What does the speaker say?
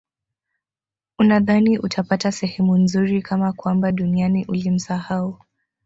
unadhani utapata sehemu nzuri kama kwamba duniani ulimsahau